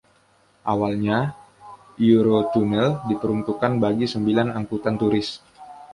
Awalnya, Eurotunnel diperuntukkan bagi sembilan angkutan turis.